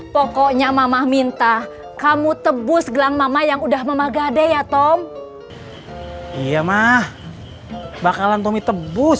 pokoknya mama minta kamu tebus gelang mama yang udah mama gade ya tom iya mah bakalan tommy tebus